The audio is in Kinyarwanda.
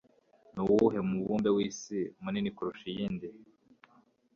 Ni uwuhe mubumbe w’isi munini kurusha iyindi?